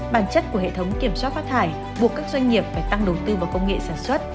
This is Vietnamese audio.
bản chất của hệ thống kiểm soát phát thải buộc các doanh nghiệp phải tăng đầu tư vào công nghệ sản xuất